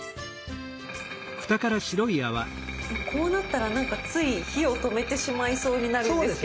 こうなったらなんかつい火を止めてしまいそうになるんですけど。